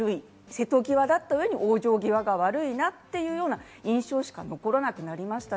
瀬戸際だった上に往生際が悪いなというような印象しか残らなくなりました。